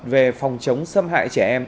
về phòng chống xâm hại trẻ em